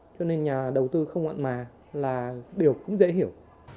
cho nên nhà đầu tư không mặn mà là điều cũng dễ hiểu